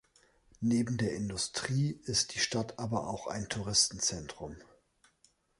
Neben der Industrie ist die Stadt aber auch ein Touristenzentrum.